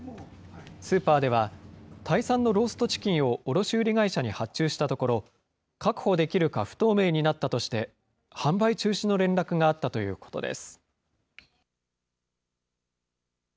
スーパーではタイ産のローストチキンを卸売り会社に発注したところ、確保できるか不透明になったとして、販売中止の連絡があったということです。